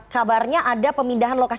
kabarnya ada pemindahan luas